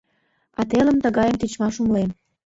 А телым тыгайым тичмаш умылем